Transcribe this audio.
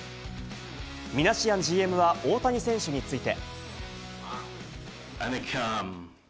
ミナシアンＧＭは大谷選手について。